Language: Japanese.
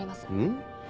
ん？